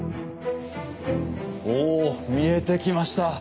お見えてきました。